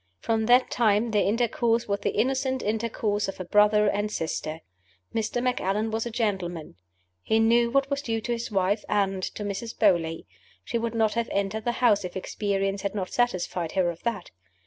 From that time their intercourse was the innocent intercourse of a brother and sister. Mr. Macallan was a gentleman: he knew what was due to his wife and to Mrs. Beauly she would not have entered the house if experience had not satisfied her of that.